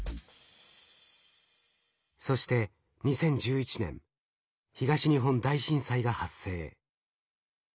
そして２０１１年東日本大震災が発生。